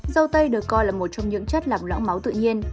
rau tây được coi là một trong những chất làm loãng máu tự nhiên